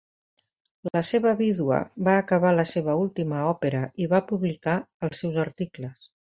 La seva vídua va acabar la seva última òpera i va publicar els seus articles.